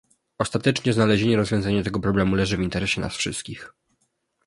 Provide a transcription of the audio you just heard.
Ostatecznie znalezienie rozwiązania tego problemu leży w interesie nas wszystkich